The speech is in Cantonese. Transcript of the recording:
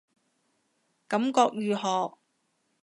感覺如何